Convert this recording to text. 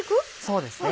そうですね。